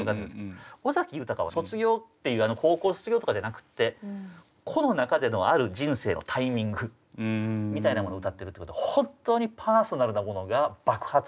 尾崎豊は卒業って高校卒業とかじゃなくって個の中でのある人生のタイミングみたいなものを歌ってるってことは本当にパーソナルなものが爆発した曲かなっていう感じがしましたね。